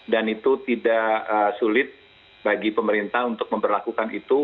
dan itu tidak sulit bagi pemerintah untuk memperlakukan itu